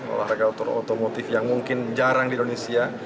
olahraga otomotif yang mungkin jarang di indonesia